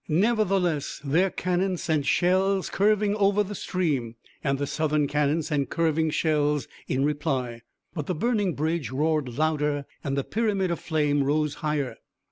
Nevertheless their cannon sent shells curving over the stream, and the Southern cannon sent curving shells in reply. But the burning bridge roared louder and the pyramid of flame rose higher.